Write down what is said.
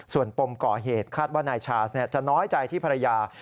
ส่วนปมก่อเหตุคาดว่านายชาสจะน้อยใจที่ภรรยา